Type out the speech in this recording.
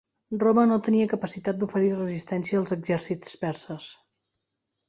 Roma no tenia capacitat d'oferir resistència als exèrcits perses.